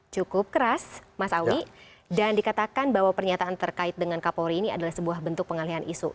cukup keras mas awi dan dikatakan bahwa pernyataan terkait dengan kapolri ini adalah sebuah bentuk pengalihan isu